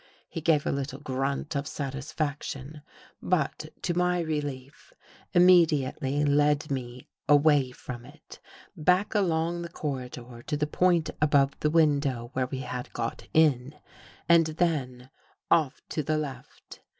He gave a little grunt of satisfaction but, to my relief, immediately led me away from it, back along the corridor to the point above the win dow where we had got in, and then off to the left.